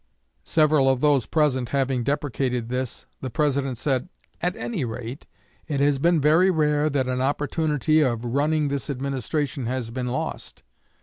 Several of those present having deprecated this, the President said, 'At any rate, it has been very rare that an opportunity of "running" this administration has been lost.'